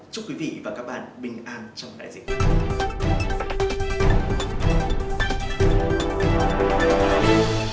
chúc quý vị và các bạn bình an trong đại dịch